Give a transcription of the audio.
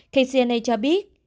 kcna cho biết